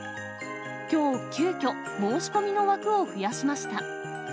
きょう、急きょ、申し込みの枠を増やしました。